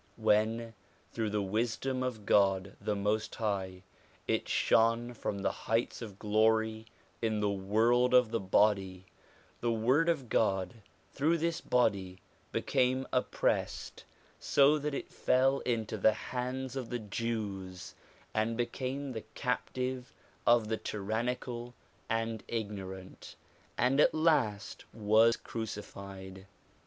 When through the wisdom of God the Most High it shone from the heights of glory in the world of the body, the Word of God, through this body, became oppressed, so that it fell into the hands of the Jews, and became the captive of the tyrannical and ignorant, and at last was crucified.